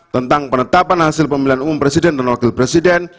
tentang penetapan hasil pemilihan umum presiden dan wakil presiden